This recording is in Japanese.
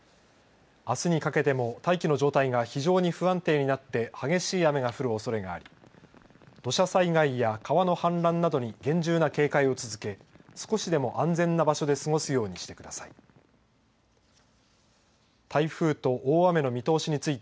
あすにかけても大気の状態が非常に不安定になって激しい雨が降るおそれがあり土砂災害や川の氾濫などに厳重な警戒を続け少しでも安全な場所で過ごすようにしてください。